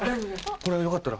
これよかったら。